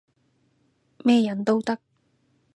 咩人都得